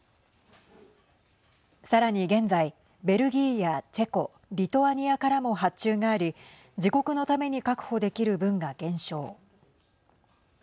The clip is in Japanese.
さらに現在、ベルギーやチェコリトアニアからも発注があり自国のために確保できる分が減少。